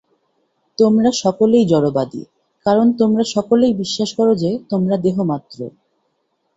তোমরা সকলেই জড়বাদী, কারণ তোমরা সকলেই বিশ্বাস কর যে, তোমরা দেহমাত্র।